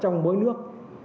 trong mỗi nước